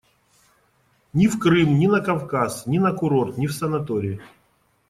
Ни в Крым, ни на Кавказ, ни на курорт, ни в санаторий.